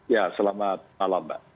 ya selamat malam mbak